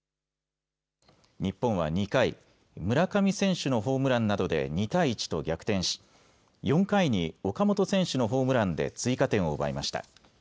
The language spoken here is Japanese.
日本は２回、村上選手のホームランなどで２対１と逆転し４回に岡本選手のホームランで追加点を奪いました。